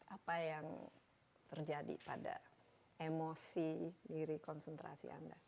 apa yang terjadi pada emosi diri konsentrasi anda